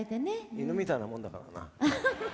犬みたいなもんだからな。